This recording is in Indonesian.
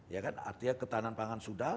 ya kan artinya ketahanan pangan sudah